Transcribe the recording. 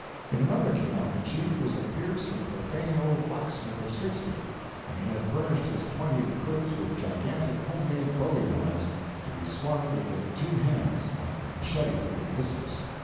In another camp the chief was a fierce and profane old blacksmith of sixty, and he had furnished his twenty recruits with gigantic home made bowie knives, to be swung with the two hands, like the machetes of the Isthmus.